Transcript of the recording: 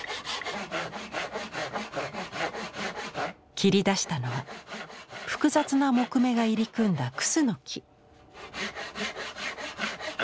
切り出したのは複雑な木目が入り組んだクスノキ。